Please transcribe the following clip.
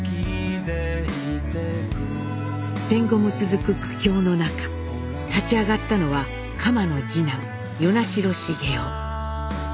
戦後も続く苦境の中立ち上がったのは蒲の次男与那城重雄。